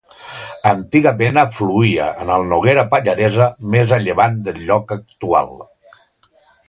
Antigament afluïa en el Noguera Pallaresa més a llevant del lloc actual.